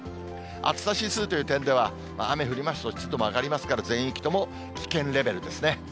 暑さ指数という点では、雨降りますと、湿度も上がりますから、全域とも危険レベルですね。